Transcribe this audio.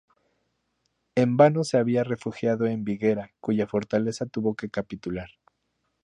En vano se había refugiado en Viguera, cuya fortaleza tuvo que capitular.